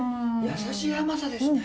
優しい甘さですね。